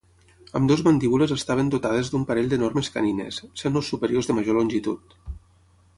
Ambdues mandíbules estaven dotades d'un parell d'enormes canines, sent els superiors de major longitud.